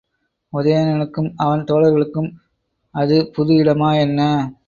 உதயணனுக்கும் அவன் தோழர்களுக்கும் அது புது இடமா என்ன?